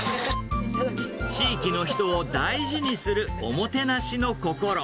地域の人を大事にするおもてなしの心。